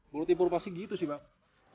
bulu tipur pasti gitu sih bang